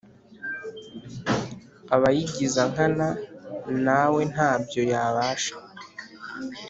Abayigizankana nawe ntabyo yabasha